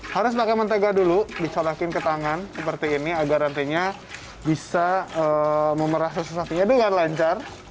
harus pakai mentega dulu dicolakin ke tangan seperti ini agar nantinya bisa memerah susu sapinya dengan lancar